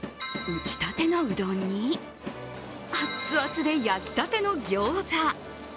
打ち立てのうどんに、アッツアツで焼きたてのギョーザ。